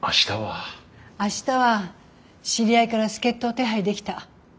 明日は知り合いから助っ人を手配できた。